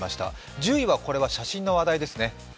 １０位は写真の話題ですね。